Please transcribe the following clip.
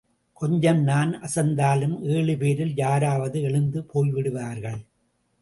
கொஞ்சம் நான் அசந்தாலும் ஏழு பேரில் யாராவது எழுந்து போய்விடுவார்கள்.